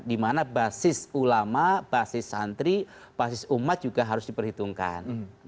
dimana basis ulama basis santri basis umat juga harus diperhitungkan